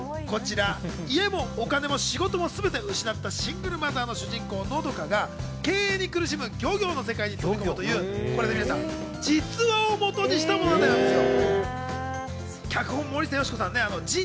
こちら、家もお金も仕事もすべて失ったシングルマザーの主人公・和佳が経営に苦しむ漁業の世界に飛び込むという実話を基にした物語なんですよ。